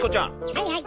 はいはい。